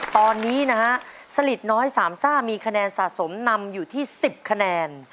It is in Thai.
ตอนนี้นะฮะสลิดน้อยสามซ่ามีคะแนนสะสมนำอยู่ที่๑๐คะแนน